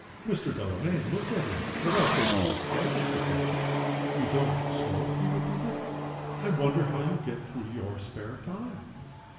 Mr. Delamayn looked at him, without taking the slightest offense: "You don't smoke!" he repeated. "I wonder how you get through your spare time?"